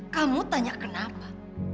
kamu tanya kenapa